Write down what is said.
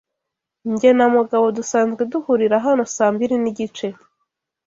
Jye na Mugabo dusanzwe duhurira hano saa mbiri nigice.